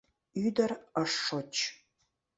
Ӱдыр ыш шоч.